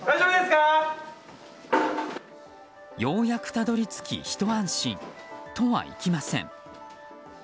ようやくたどり着きひと安心とはいきません。